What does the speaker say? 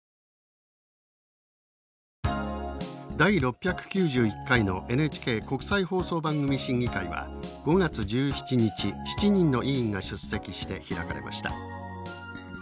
第６９１回のＮＨＫ国際放送番組審議会は５月１７日７人の委員が出席して開かれました。